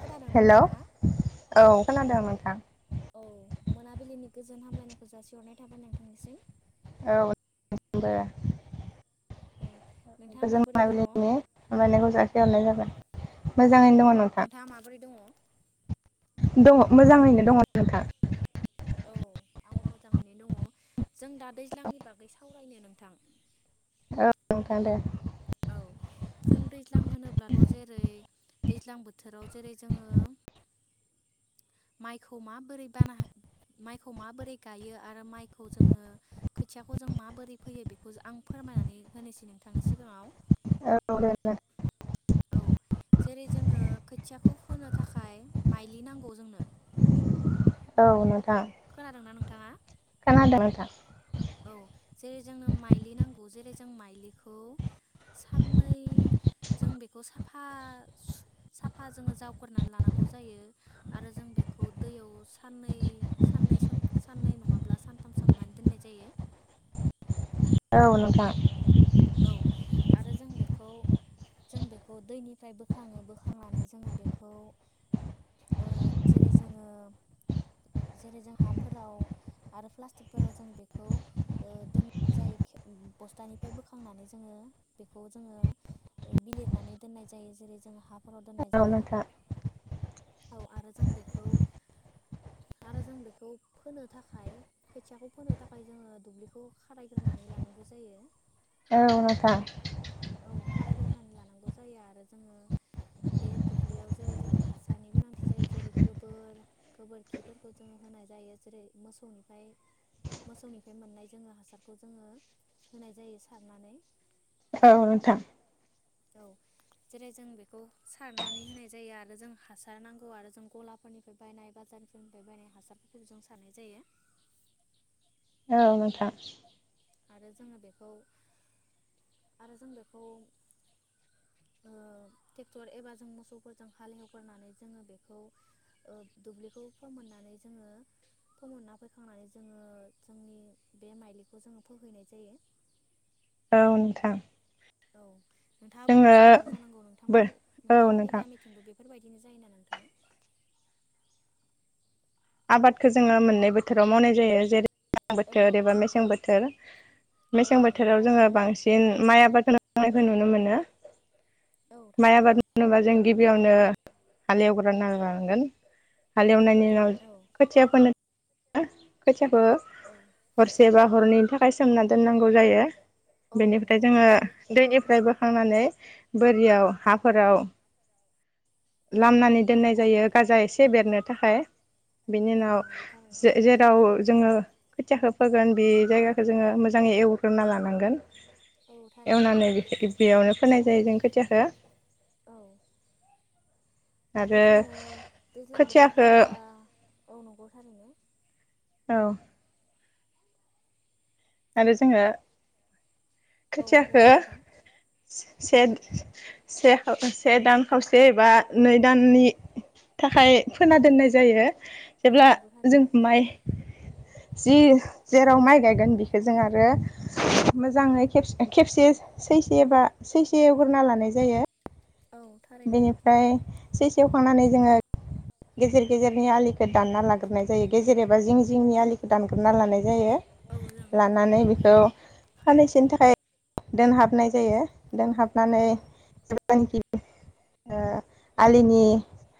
खोनादोंना हेल' नोंथाङा औ खोनादों नोंथां औ मोनाबिलिनि गोजोन हामलायनायखौ जासिहरनाय थाबाय नांथांनिसिम औ नोंनिसिम बो औ नोंथाङा गोजोन माबोरै दङ? मोनाबिलिनि हामलायनायखौ जाथायहरनाय जाबाय मोज नोंथाङा माबोरै दङ दङ मोजाङैनो दङ नोंथां अ मोजाङैनो दङ जों दा दैज्लांनि बागै सावरायनो नो थां औ नोंथां दे जों दैज्लां होनोब्लाथ' जेरै दैज्लां बोथोराव जेरै जोङो माइखौ माबोरै बाना माइखौ माबोरै गायो आरो माइखौ जोङो खोथियाखौ जों माबोरै फैयो बे खौजो आं फोरमायनानै होनोसै नोंथांनि सिगाङाव औ दे औ जेरै जोङो खोथियाखौ फोनो थाखाय माइलि नांगौ जोंनो औ नोंथां खोनादोंना नोंथाङा खोनादों नोंथां औ जेरै जोंनो माइलि नांगौ जेरै जों माइलि खौ साननै जों बेखौ साफा सु साफा जोङो जावगोरनानै लानांगौ जायो आरो जों बेखौ दैयाव साननै साननै सोम साननै नङाब्ला सानथाम सोमनानै दोननाय जायो औ नोंथां औ आरो जों बेखौ जों बेखौ दैनिफ्राय बोखाङो बोखांनानै जोङो बेखौ ओ जेरै जोङो जेरै जों हाफोराव आरो प्लास्टिकफोराव जों बेखौ दोननाय जायो [unintelligible] बस्थानिफ्राय बो खांनानै जोङो बेखौ जोङो बिलिरनानै दोननाय जायो जेरै जोङो हाफ फोराव दोननाय औ जायो नोंथां औ आरो जों बेखौ आरो जों बेखौ फोनो थाखाय खोथियाखौ फोनो थाखाय जोङो दुब्लिखौ खारायग्रोनानै लानांगौ जायो औ नोंथां औ खारायग्रोनानै लानांगौ जायो आरो जोङो बे दुब्लियाव जेरै जों हासारनि गोनांथि जायो जेरै गोबोर गोबोरखिफोरखौ जोङो होनाय जायो जेरै मोसौनिफ्राय मोसौनिफ्राय मोननाय जोङो हासारखौ जोङो होनाय जायो सारनानै अ नोंथां औ जेरै जों बेखौ सारनानै होनाय जायो आरो जों हासार नांगौ आरो जों गलाफोरनिफ्राय बायनाय बाजारफोरनिफ्राय बायनाय हासारफोरखौ जों सारनाय जायो औ नोंथां आरो जोङो बेखौ आरो जों बेखौ ओ ट्रेक्टर एबा जों मोसौफोरजों हालेवगोरनानै जोङो बेखौ ओ दुब्लिखौ फोमोननानै जोङो फोमोनना फैखांनानै जोङो जोंनि बे माइलिखौ जोङो [inaudible] औ नोंथां औ नोंथाङाबो जोङो मिथिखागौ जानांगौ बो नोंथांमोनि औ नोंथांमोननि नोंथां गामिथिंबो बे [inaudible] आबादखो जोङो मोननै बोथोराव मावनाय जायो जेरै औ बोथोर एबा नंगौ मेसें बोथोर औ मेसें नंगौ बोथोराव जोङो थारैनो बांसिन माइ आबादखोनो मावनायखौ नुनो मोनो नो औ माइ थारैनो आबाद मावोबा जों गिबियावनो हालेवग्रोना लांनांगोन हालेवनायनि उनाव औ [unintelligible] [unintelligible] औ हरसेबा हरनि थाखाय सोमना दोननांगौ जायो औ बेनिफ्राय नंगौ जोङो दैनिफ्राय बोखांनानै बोरियाव हाफोराव औ लामनानै दोननाय थारैनो जायो गाजा एसे बेरनो थाखाय बिनि औ उनाव नंगौ थारैनो जे जेराव जोङो खोथियाखौ फोगोन बे जायगाखौ जोङो मोजाङै एवग्रोना लानांगोन औ थारैनो एवनानै नंगौ [unintelligible] बेयावनो फोनाय [unintelligible] जों खोथियाखो औ आरो जोङो दैज्लां बोथोर खोथियाखौ होनोब्ला औ नंगौथ आरो ने? औ आरो जोङो औ बुं खोथियाखो नोंथां से से से दान खावसे एबा नै दाननि थाखाय खोना फोना दोननाय जायो औ जेब्ला नंगौ जों थारैनो माइ जि जेराव माइ गायगोन बि जों आरो मोजाङै खेबसे सैसेबा सैसे एवगोरना लानाय जायो औ थारैनो बेनिफ्राय से सेवखांनानै जोङो गेजेर गेजेरनि आलिखौ दानना लाग्रोनाय जायो गेजेर एबा जिं जिंनि आलिखौ दानग्रोनना लानाय जायो औ जों नंगौ लानानै नंगौ बेखौ थारैनो सानैसोनि थाखाय दोनहाबनाय जायो दोंहाबनानै औ जेब्लानिकि अ आलिनि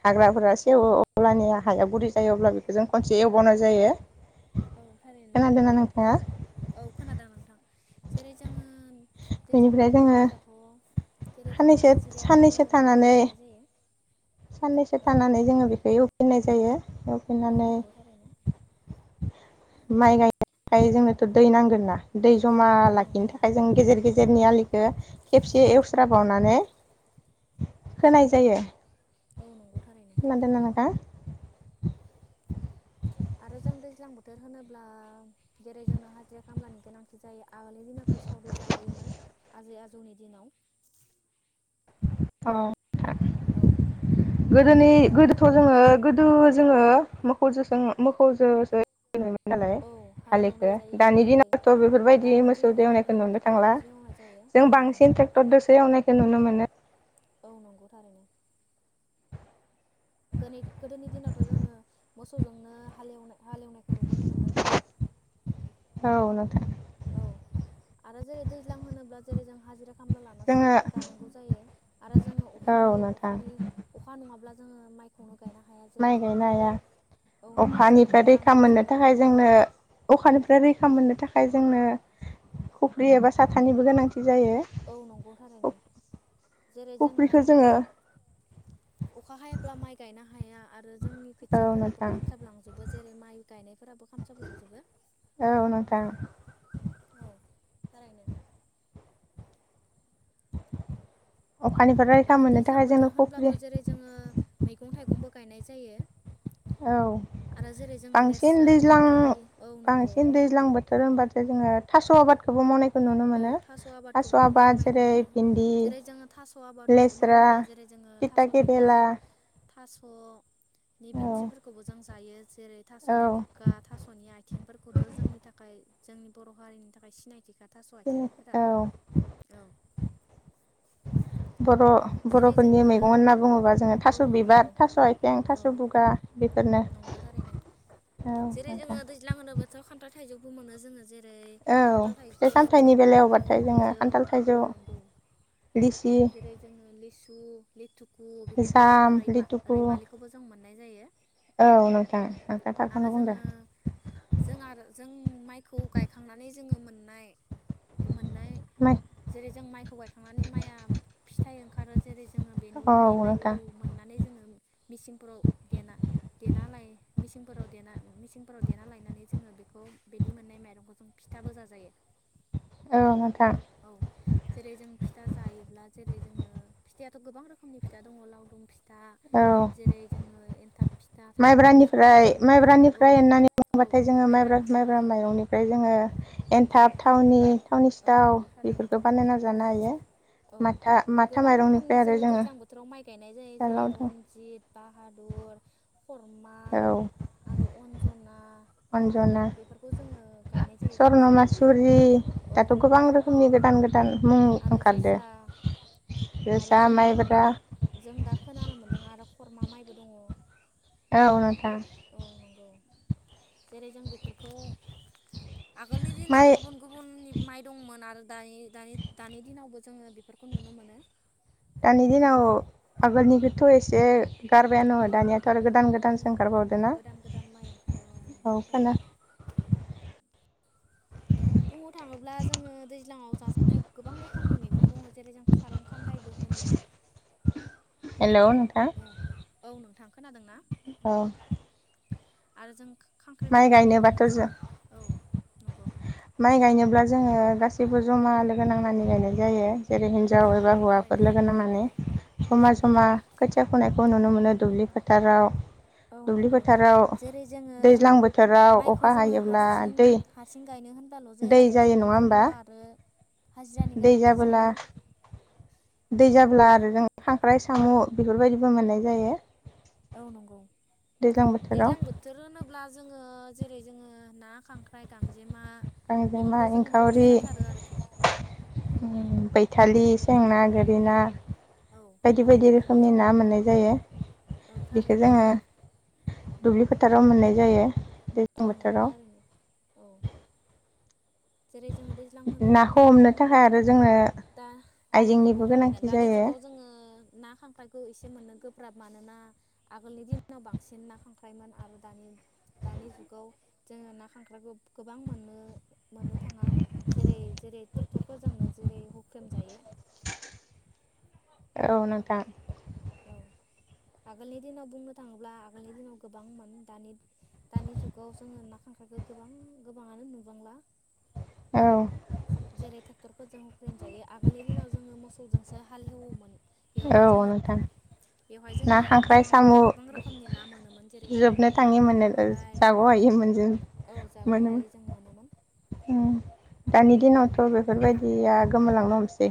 हाग्राफोरा सेवो अब्लानि हाया गुरै जायो अब्ला बेखौ जों खनसे एवबावनाय जायो। औ फरायनो नंगौ खोनादोंना नोंथाङा औ खोनादों नोंथां जेरै जोङो दैज्लां बेनिफ्राय बोथोर जोङो होनोब्लाथ' जेरै जोङो साननैसो हाजिरा साननैसो खामला लानानै थानानै गायनाय जायो। साननैसो थानानै जोङो बेखौ फोननाय जायो। औ एवफिननानै नंगौ थारैनो माइ गायनानै फ्राय जोंनोथ' दै नांगोन ना? दै जमा औ लाखिनो नंगौ थाखाय जों गेजेर गेजेर नि आलिखौ। खेबसे एवस्राबावनानै खोनाय जायो। औ नंगौ थारैनो खोनादोंना नोंथां? आरो जों दैज्लां बोथोर होनोब्ला जेरै जोङो हाजिरा खामलानि गोनांथि जायो आगोलनि दिनावथ' सावरि जालायोमोन आजै आजौ जोंनि दिनाव। औ औ आरो गोदोनि जोङो दा गोदोथ' जोङो औ गोदो जोङो [unintelligible] मोखौ‌ जो [unintelligible] मोन नालाय औ हालेवनाय हालिखो। जायोमोन दानि जेरै दिनावथ' बेफोरबायदि दानि दिनाव मोसौदो जोङो एवनायखौ नुनो थांला। ट्रेक्टरजोंसो एवनाय जायो जों औ बांसिन नंगौ ट्रेक्टरदोसो एवनायखौ नुनो मोनो। औ नंगौ थारैनो गोनै गोदोनि दिनावथ' जोङो मोसौजोंनो हालेवनाय हालेवनायखौ नुबोनो मोनदों। औ नोंथां औ आरो जेरै दैज्लां होनोब्ला जेरै जों हाजिरा खामला लानासो जोङो औ गायनांगौ जायो आरो जोङो अखानि नोंथां अखानि अखा नङाब्ला जोङो माइखौनो गायनो हाया जेरै माइ जोङो गायनो हाया। औ नंगौ जेरै अखानिफ्राय खरां रैखा मोननो जाजोबो थाखाय जोंनो अखानिफ्राय रैखा मोननो थाखाय जोंनो खफ्रि एबा साथानिबो गोनांथि जायो औ नंगौ थारैनो जेरै जोङो अखा हायाब्ला माइ गायनो हाया आरो जोंनि औ खोथियाफोराबो नोंथां खामसाबलांजोबो जेरै माइ गायनायफोराबो खामसाबलांजोबो औ नोंथां औ थारैनो अखानिफ्राय रैखा आरो मोननो दैज्लां थाखाय जोंनो बोथोर होनब्लाथ' खफ्रि जेरै जोङो मैगं थाइगंबो गायनाय जायो। औ आरो जेरै जोङो बांसिन लेस्रा दैज्लां भिन्दि औ नंगौ बांसिन दैज्लां बो फोर होनबाथाय जोङो थास' आबादखौबो मावनाय औ थास' आबादखौबो मावनाय नुनो जेरै मोनो। भिन्दि जेरै जोङो थास' आबाद लेस्रा मावोब्ला जेरै जोङो थिथा थास' केरेला बिबार थास' नि औ बिथ्रिफोरखौबो जों जायो। जेरै औ थास'नि बुगा थास'नि आथिंफोरखौथ' जोंनि थाखाय जोंनि बर' हारिनि थाखाय सिनायथि खा थास' आथिंफोरा औ औ बर' जेरै बर'फोरनि जोङो मैगं होन्ना बुङोबा जोङो औ थास' बिबार नंगौ थास' आयथें औ थास' बुगा बे नंगौ थारैनो जेरै नोंथां जोङो दैज्लां होनोबाथ' खान्थाल थाइजौखौ मोनो जोङो जे रै औ खान्थाल फिथाइ थाइजौ सामथाइनि खान्थाल बेलायावबाथाय जोङो थाइजौ खान्थाल औ थाइजौ नंगौ लिसि जेरै जोङो लिसु [unintelligible] [unintelligible] बेफोरखौ आरो जाम लिथुखु रैमा-रैमालिखौबो जों मोननाय जायो। औ नोंथां नोंथां आरो थारखौनो बुंदों जोङो जों आरो जों माइखौ गायखांनानै जोङो मोननाय मोननाय जेरै जों माइखौ गायखांनानै माइआ फिथाइ [unintelligible] खारो जेरै जोङो बेनि औ बे माइखौ नोंथां मोननानै जोङो मेसिंफोराव देना देना लायो मिसिंफोराव देना मिसिंफोराव देना लायनानै जोङो बेखौ बेनि मोननाय माइरंखौ जों फिथाबो जाजायो। औ नोंथां। औ जेरै जों फिथा जायोब्ला जेरै जोङो फिथायाथ' गोबां रोखोमनि फिथा दङ लावदुम फि था औ जेरै जोङो। एन्थाब फिथा थावनि फिथा माइब्रानिफ्राय औ माइब्रानिफ्राय होननानै औ बुंबाथाय जोङो माइब्रा माइब्रानिफ्राय माइब्रा माइरंनिफ्राय जोङो औ एनथाब थावनि थावनि औ सिथाव नंगौ थारैनो बेफोरखौ बानाय नाजानो हायो औ माथा माथा गोबां रोखोमनि माइरंनिफ्राय आरो जोङो दैज्लां बोथोराव माइ गायनाय जायो फिथा जेरै लावदुम। रन्जित बाहादुर खरमा औ आरो अन्जना अन्जना बेफोरखौ जोङो गायनाय जायो बांसिन। स्वर्नमासुरि [unintelligible] औ दाथ' गोबां नंगौ रोखोमनि गोदान गोदान मुं आरो ओंखारदो जोसा आरो जोसा जोङो माइब्रा जों दा खोनानो मोनदों आरो खरमा माइबो दङ। औ नोंथां औ नंगौ जेरै जों बेफोरखौ आगोलनि माइ दिनाव गुबुन गुबुननि माइ दंमोन आरो दायि-दानि-दानि दिनावबो जोंङो बेफोरखौ नुनो मोनो। दानि दिनाव आगोलनिखौथ' एसे गारबायानो औ दानियाथ' आरो गोदान औ गोदान सो ओंखार नंगौ बावदोंना? गोदान गोदान माइ ओंखारो नंगौ औ खोना थारैनो बुंनो थांङोब्ला जोंङो दैज्लांङाव जाजानाय गोबां रोखोमनि मैगं दंङ, जेरै जों खारं खान्दायबो होनो। हेलोव नोंथां औ औ नोंथां खोनादोंना अह आरो जों खां ख्रिखलाबो होनो जों औ नंगौ। माइ गायनोब्ला जोंङो गासैबो जमा लोगो नांनानै गायनाय जायो। जेरै औ हिन्जाव एबा नंगौ हौवाफोर थारैनो लोगो नांनानै औ जमा जमा खोथिया खुनायखौ औ नुनो मोनो दुब्लि फोथाराव औ दुब्लि नंगौ फोथाराव जेरै जोंङो दैज्लां बोथोराव माइखौ अखा जोंङो हायोब्ला हारसि दै हारसिं गाइ दै जायो नंङा होमबा? हाजिरानि दै गोनांथि जाबोला जायो दै जाब्ला औ आरो खांख्राय साम' बेफोरबायदिबो मोननाय जायो। औ नंगौ दैज्लां बोथोर होनोब्ला जों ओ जेरै जोंङो ना खांख्राय गां जेमा गांजेमा बेफोरखौ जों मोननाय जाथारो आरोखि उम फैथालिस सेंना औ गोरि ना औ बायदि बायदि बेफोरखौ रोखोमनि जों ना मोनो मोननाय जायो औ बेखौ थारैनो जोंङो दुब्लि फोथाराव मोननाय जायो। दैज्लां औ नंगौ बोथोराव थारैनो औ जेरै जोंङो दैज्लां होनोब्लाथ नाखौ हमनो जों थाखाय आरो जोंनो दा औ नंगौ आइजेंनिबो थारैनो गोनांथि दानि जायो जुगाव जोंङो ना खांख्रायखौ एसे मोननो गोब्राब मानोना आगोलनि दिनाव बांसिन ना खांख्राय मोनोमोन आरो दानि दानि जुगाव जोंङो ना खांख्रायखौ गोबां मोनो टरफोरजोंनो जेरै हुख्रेम जायो। औ नोंथां। औ आगोलनि दिनाव बुंनो थांङोब्ला आगोलनि दिनाव गोबांमोन दानि दानि जुगाव जोंङो ना खांख्रायखौ गोबां गोबांङानो नुबांला। औ जे-जेरै ट्रेक्टरफोरजों हुख्रेम जायो आगोलनि दिनाव जोंङो मोसौजोंसो हालेवोमोन। औ बेवहाय जोंङो नोंथां बेवहाय ना जोंङो खांख्राइ गोबां साम' गोबां रोखोमनि ना मोनोमोन जेरै खांख जोबनो ना थाङि मोनो खांख्राइ जाग'हायि मोनजों औ मोनोमोन जागहायै जों मोनोमोन। उम दानि दिनावथ बेफोरबायदिया गोमालांनो हमसै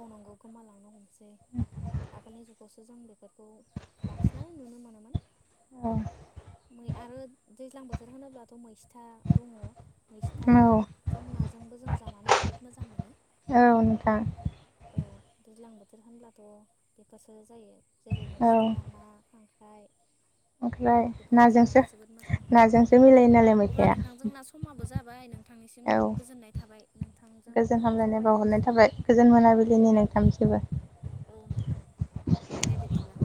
मावनांगौ गोमालांनो हमसै आगोलनि जुगावसो जों बेखौ बेफोरखौ बांसिनानो नुनो मोनोमोन औ मै आरो दैज्लां बोथो थोर होनाब्लाथ मैस्था दंङ। औ मैस्थाजों नाजोंबो जों जानानै जोबोद मोजां मोनो। औ नोंथां औ दैज्लां बोथोर होनब्लाथ बेफोरसो जायो। जेरै औ मैस्था ना, खांख्राय ओमफ्राय बेफोरखौ नाजोंसो जानानै जोबोद मोजां मोनो नाजोंसो मिलायो नालाय अब्ला मैथाया नोंथांजोंना समाबो जाबाय नोंथांनिसिम औ गोजोननाय थाबाय नोंथांजों गोजोन उनाव हामलायनाय बावहरनाय सावरायफैनोसै। थाबाय गोजोन औ मोनाबिलिनि नोंथां नोंथांनिसिमबो। औ नोंथां दे बिदिब्ला